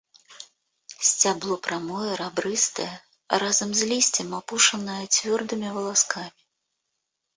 Сцябло прамое, рабрыстае, разам з лісцем апушанае цвёрдымі валаскамі.